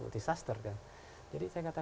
disaster kan jadi saya katakan